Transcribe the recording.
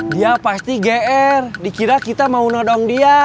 dia pasti gr dikira kita mau nodong dia